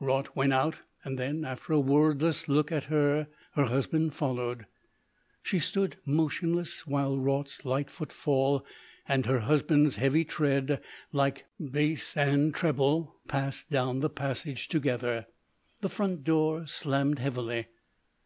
Raut went out, and then, after a wordless look at her, her husband followed. She stood motionless while Raut's light footfall and her husband's heavy tread, like bass and treble, passed down the passage together. The front door slammed heavily.